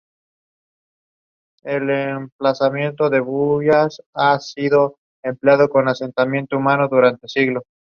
Entre estos dos extremos existen diversos grados de transición.